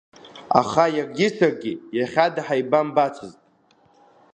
Аха иаргьы саргьы иахьада ҳаибамбацызт.